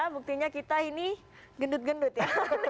buktinya kita ini gendut gendut ya